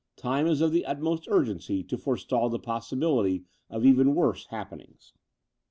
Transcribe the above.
Time is of the utmost urgency to forestall the possibility of even worse happenings."